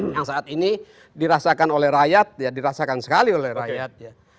yang saat ini dirasakan oleh rakyat ya dirasakan sekali oleh rakyat ya